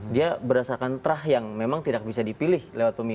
dia berdasarkan terah yang memang tidak bisa dipilih lewat pemilu